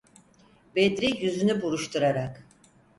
Bedri yüzünü buruşturarak: